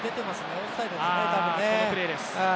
オフサイドですね、多分ね。